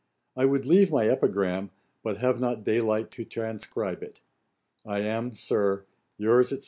I would leave my Epigram, but have not daylight to transcribe it. I am, Sir, 'Your's, &c.